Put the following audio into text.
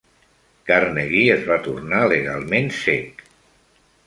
Carnegie es va tornar legalment cec.